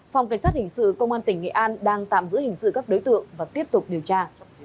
phòng cảnh sát hình sự công an tỉnh nghệ an đang tạm giữ hình sự các đối tượng và tiếp tục điều tra